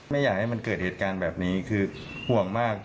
ไม่อยากให้มันเกิดเหตุการณ์แบบนี้คือห่วงมาก